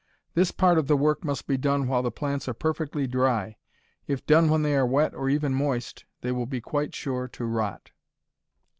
This part of the work must be done while the plants are perfectly dry. If done when they are wet or even moist, they will be quite sure to rot.